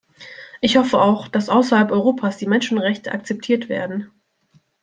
Ich hoffe auch, dass außerhalb Europas die Menschenrechte akzeptiert werden.